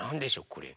これ。